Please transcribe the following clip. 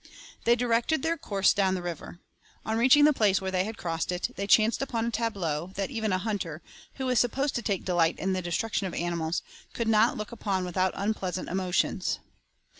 They directed their course down the river. On reaching the place where they had crossed it, they chanced upon a tableau that even a hunter, who is supposed to take delight in the destruction of animals, could not look upon without unpleasant emotions.